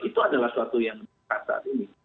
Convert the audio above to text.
itu adalah suatu yang saat ini